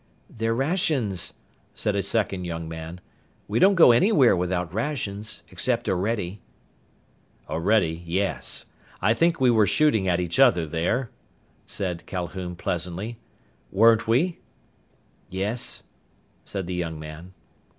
"They're rations," said a second young man. "We don't go anywhere without rations, except Orede." "Orede, yes. I think we were shooting at each other there," said Calhoun pleasantly. "Weren't we?" "Yes," said the young man.